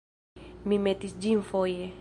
Mi metis ĝin foje.